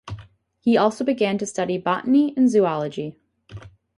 He also began to study botany and zoology.